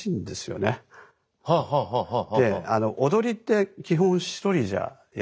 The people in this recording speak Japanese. で踊りって基本一人じゃやらない。